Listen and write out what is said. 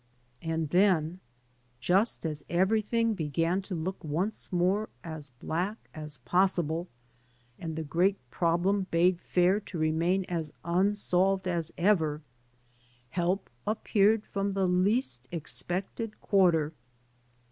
And then just as everything began to look once more as black as possible and the great problem bade fair to remain as imsolved as ever, help appeared from the least expected quarter.